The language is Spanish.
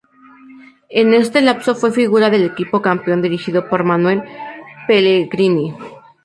En este lapso fue figura del equipo campeón dirigido por Manuel Pellegrini.